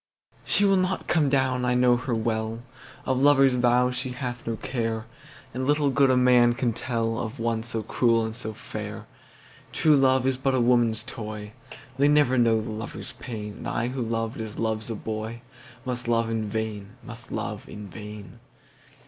She will not come, I know her well, Of lover's vows she hath no care, And little good a man can tellOf one so cruel and so fair. True love is but a woman's toy, They never know the lover's pain, And I who loved as loves a boyMust love in vain, must love in vain.